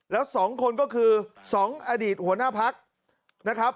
แล้ว๒คนก็คือ๒อดีตหัวหน้าพักนะครับ